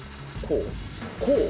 こう？